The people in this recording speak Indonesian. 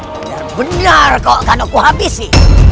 benar benar kau akan aku habisi